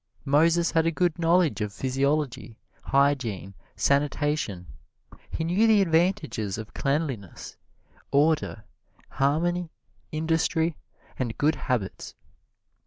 Moses had a good knowledge of physiology, hygiene, sanitation. He knew the advantages of cleanliness, order, harmony, industry and good habits.